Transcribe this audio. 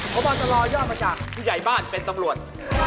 พบตรยอดมาจากผู้ใหญ่บ้านเป็นตำรวจ